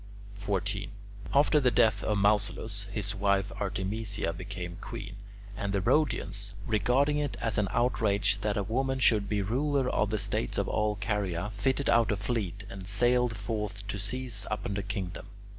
14. After the death of Mausolus, his wife Artemisia became queen, and the Rhodians, regarding it as an outrage that a woman should be ruler of the states of all Caria, fitted out a fleet and sallied forth to seize upon the kingdom.